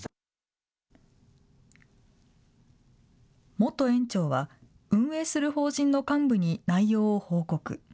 元園長は運営する法人の幹部に内容を報告。